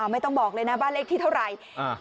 ไม่ต้องบอกเลยนะบ้านเลขที่เท่าไหร่